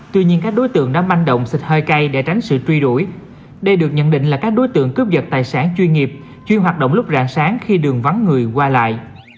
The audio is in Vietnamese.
tuy nhiên các đối tượng đã manh động xịt hơi cay để tránh sự truy đuổi đây được nhận định là các đối tượng cướp dật tài sản chuyên nghiệp chuyên hoạt động lúc rạng sáng khi đường vắng người qua lại